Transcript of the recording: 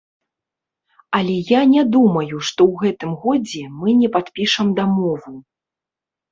Але я не думаю, што ў гэтым годзе мы не падпішам дамову.